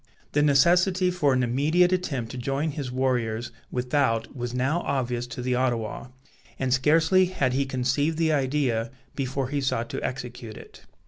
The necessity for an immediate attempt to join his warriors without was now obvious to the Ottawa; and scarcely had he conceived the idea before he sought to execute it.